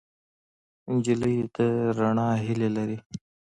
نجلۍ د رڼا هیلې لري.